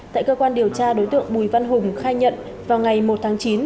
tại cơ quan điều tra đối tượng bùi văn hùng khai nhận vào ngày một tháng chín